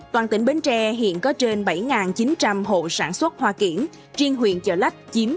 toàn tỉnh bến tre hiện có trên bảy chín trăm linh hộ sản xuất hoa kiển riêng huyện chợ lách chiếm hơn tám mươi